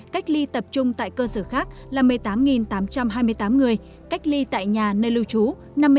cách ly tập trung tại cơ sở khác là một mươi tám tám trăm hai mươi tám người cách ly tại nhà nơi lưu trú năm mươi bốn trăm chín mươi hai người